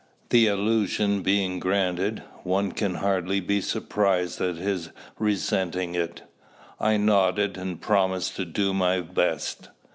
The illusion being granted, one can hardly be surprised at his resenting it." I nodded, and promised to do my best.